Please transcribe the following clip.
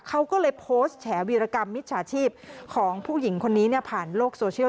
เขาก็เลยโพสต์แฉวีรกรรมมิจฉาชีพของผู้หญิงคนนี้ผ่านโลกโซเชียล